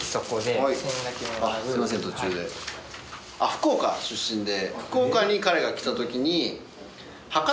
福岡出身で。